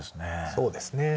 そうですね。